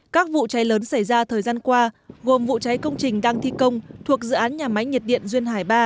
các vụ cháy lớn xảy ra thời gian qua gồm vụ cháy công trình đang thi công thuộc dự án nhà máy nhiệt điện duyên hải ba